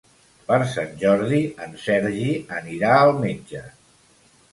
Per Sant Jordi en Sergi anirà al metge.